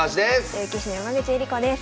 女流棋士の山口恵梨子です。